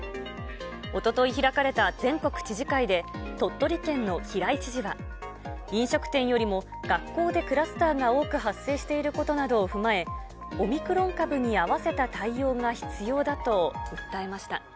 おととい開かれた全国知事会で、鳥取県の平井知事は、飲食店よりも学校でクラスターが多く発生していることなどを踏まえ、オミクロン株に合わせた対応が必要だと訴えました。